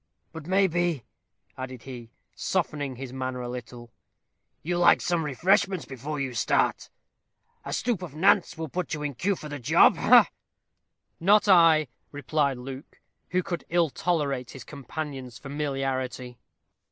But, maybe," added he, softening his manner a little, "you'll like some refreshments before you start? A stoup of Nantz will put you in cue for the job, ha, ha!" "Not I," replied Luke, who could ill tolerate his companion's familiarity.